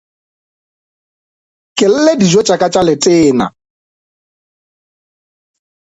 Ke lle dijo tša ka tša letena.